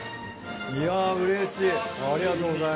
いやうれしい。